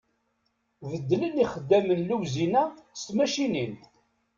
Beddlen ixeddamne n lewzin-a s tmacicin.